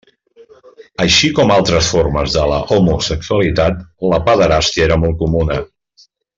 Així com altres formes de l'homosexualitat, la pederàstia era molt comuna.